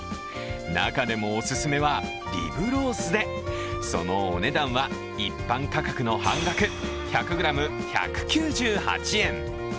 中でもお勧めはリブロースでそのお値段は一般価格の半額１００ｇ１９８円。